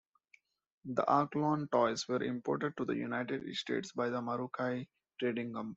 The Arklon toys were imported to the United States by the Marukai Trading Company.